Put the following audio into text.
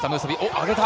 上げた。